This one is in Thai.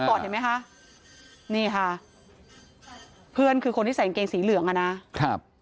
ก่อนเห็นไหมคะนี่ค่ะเพื่อนคือคนที่ใส่กางเกงสีเหลืองอ่ะนะครับ